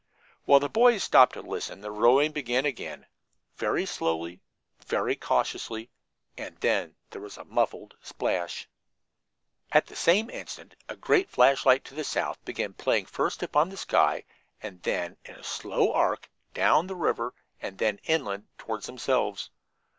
While the boys stopped to listen, the rowing began again, very slowly, very cautiously, and then there was a muffled splash. At the same instant a great flashlight to the south began playing first upon the sky, and then, in a slow arc, down the river and then inland toward themselves.